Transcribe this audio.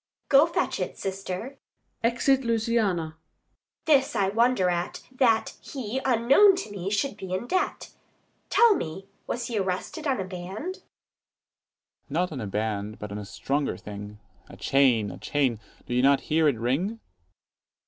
Adr. Go fetch it, sister. [Exit Luciana.] This I wonder at, That he, unknown to me, should be in debt. Tell me, was he arrested on a band? Dro. S. Not on a band, but on a stronger thing; 50 A chain, a chain! Do you not hear it ring?